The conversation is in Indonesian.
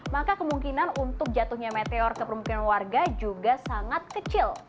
maka kemungkinan untuk jatuhnya meteor ke permukiman warga juga sangat kecil